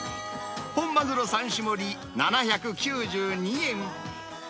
本マグロ三種盛り７９２円。